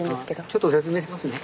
ちょっと説明しますね。